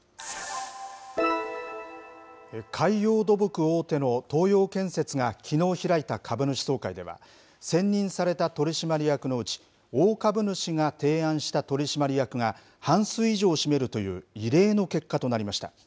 海洋土木大手の東洋建設がきのう開いた株主総会では、選任された取締役のうち、大株主が提案した取締役が半数以上を占めるという異例の結果となりました。